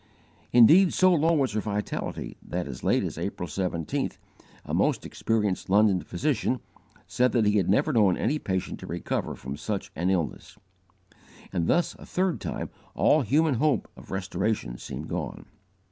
Indeed so low was her vitality that, as late as April 17th, a most experienced London physician said that he had never known any patient to recover from such an illness; and thus a third time all human hope of restoration seemed gone.